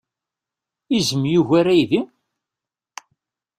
Izem yugar aydi?